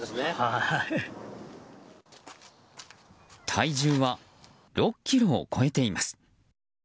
体重は６ｋｇを超えています。